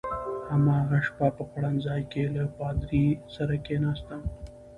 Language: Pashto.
هماغه شپه په خوړنځای کې له پادري سره کېناستم.